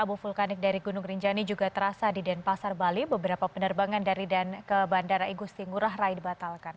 bandara igusti ngurah rai dibatalkan